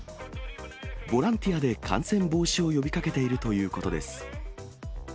ボランティアで感染防止を呼びかけているということです。